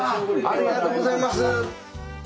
ありがとうございます。